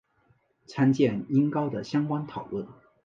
参见音高的相关讨论。